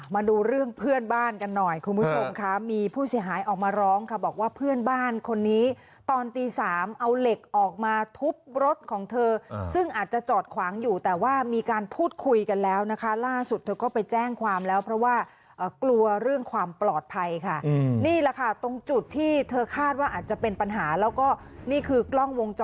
มาดูเรื่องเพื่อนบ้านกันหน่อยคุณผู้ชมค่ะมีผู้เสียหายออกมาร้องค่ะบอกว่าเพื่อนบ้านคนนี้ตอนตี๓เอาเหล็กออกมาทุบรถของเธอซึ่งอาจจะจอดขวางอยู่แต่ว่ามีการพูดคุยกันแล้วนะคะล่าสุดเธอก็ไปแจ้งความแล้วเพราะว่ากลัวเรื่องความปลอดภัยค่ะนี่แหละค่ะตรงจุดที่เธอคาดว่าอาจจะเป็นปัญหาแล้วก็นี่คือกล้องวงจ